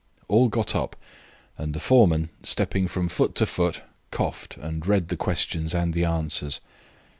All got up, and the foreman, stepping from foot to foot, coughed, and read the questions and the answers.